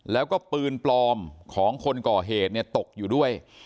แล้วก็ปืนปลอมของคนก่อเหตุเนี่ยตกอยู่ด้วย